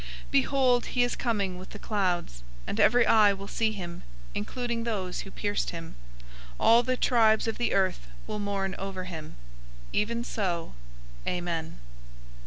001:007 Behold, he is coming with the clouds, and every eye will see him, including those who pierced him. All the tribes of the earth will mourn over him. Even so, Amen.